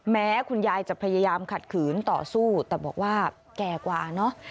แม้คุณยายจะพยายามขัดขืนต่อสู้แต่บอกว่าแก่กว่าเนอะ